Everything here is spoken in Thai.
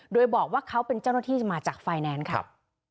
โดยบอกว่าเขาเป็นเจ้าหน้าที่มาจากไฟแนนซ์ครับ